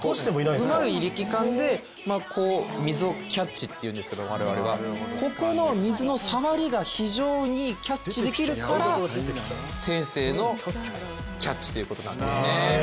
うまい力感で水をキャッチっていうんですけど我々が、ここの水の触りが非常にキャッチできるから天性のキャッチということなんですね。